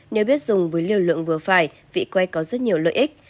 nếu biết dùng với lưu lượng vừa phải vị cay có rất nhiều lợi ích